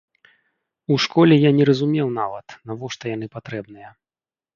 У школе я не разумеў нават, навошта яны патрэбныя.